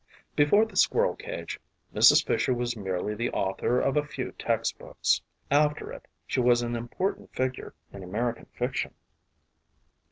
Before The Squirrel Cage Mrs. Fisher was merely the author of a few textbooks. After it she was an important figure in American fiction.